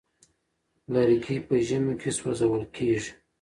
لرګي په ژمي کې سوزول کيږي.